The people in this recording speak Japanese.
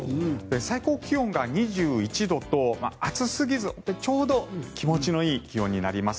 最高気温が２１度と暑すぎずちょうど気持ちのいい気温になります。